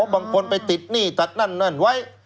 บางคนไปติดหนี้ตัดนั่นนั่นไว้